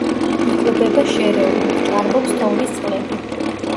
იკვებება შერეულად, ჭარბობს თოვლის წყლები.